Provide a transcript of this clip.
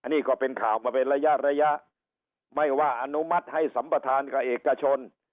นี่ก็เป็นข่าวมาเป็นระยะระยะไม่ว่าอนุมัติให้สัมประธานกับเอกชน